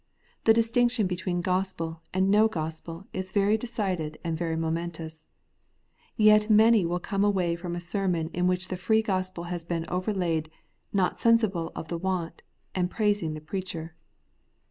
The distinction between Gospel and no Gospel is very decided and very momentous ; yet many will come away from a sermon in which the free gospel has been overlaid, not sensible of the want, and praising the preacher.